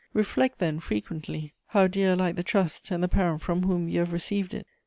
Reflect, then, frequently (how dear alike the trust, and the parent from you have received it!)